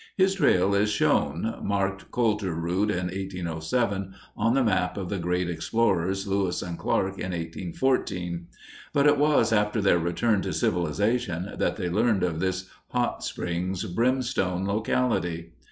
His trail is shown marked "Colter's Route in 1807" on the map of the great explorers Lewis and Clark in 1814. But it was after their return to civilization that they learned of this "hot springs brimstone" locality.